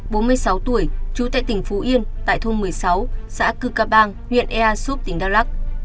bốn mươi sáu tuổi trú tại tỉnh phú yên tại thôn một mươi sáu xã cư ca bang huyện ea súp tỉnh đắk lắc